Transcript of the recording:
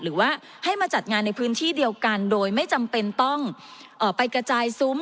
หรือว่าให้มาจัดงานในพื้นที่เดียวกันโดยไม่จำเป็นต้องไปกระจายซุ้ม